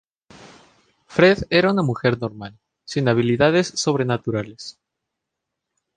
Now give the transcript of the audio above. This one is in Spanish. Fred era una mujer normal, sin habilidades sobrenaturales.